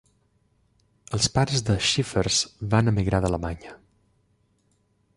Els pares de Schiffers van emigrar d'Alemanya.